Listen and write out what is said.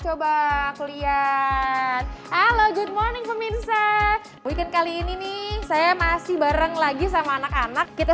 coba kuliah halo good morning pemirsa weekend kali ini nih saya masih bareng lagi sama anak anak kita